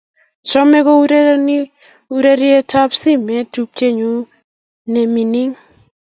chomei koureren urerenikab simet tupchenyu ne mining'